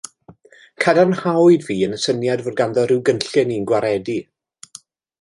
Cadarnhawyd fi yn y syniad fod ganddo ryw gynllun i'n gwaredu.